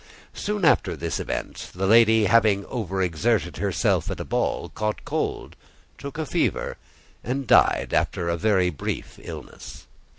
Soon after this event, the lady having over exerted herself at a ball, caught cold, took a fever, and died after a very brief illness.